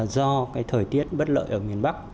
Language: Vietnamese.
do thời tiết bất lợi ở miền bắc